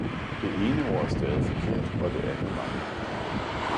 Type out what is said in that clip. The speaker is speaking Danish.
Den ene ord er stavet forkert og det andet mangler